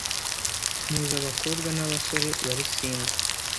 Mpuza abakobwa nabasore bari single